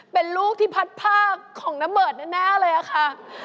เป็นลูกที่พัดภาคของนเบิร์ตแน่เลยอะค่ะ